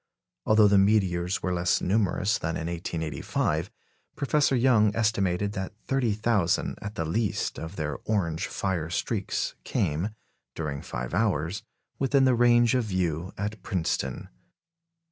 Although the meteors were less numerous than in 1885, Professor Young estimated that 30,000, at the least, of their orange fire streaks came, during five hours, within the range of view at Princeton.